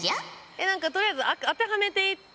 え何かとりあえず当てはめていって。